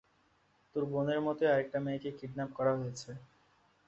তোর বোনের মতোই আরেকটা মেয়েকে কিডন্যাপ করা হয়েছে।